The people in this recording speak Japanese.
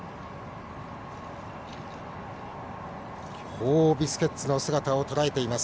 ホウオウビスケッツの姿を捉えています。